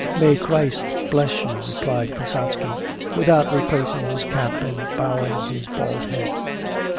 'May Christ bless you,' replied Kasatsky without replacing his cap and bowing his bald head.